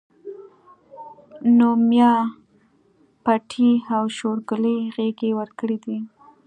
نو ميا پټي او شورګلې غېږې ورکړي دي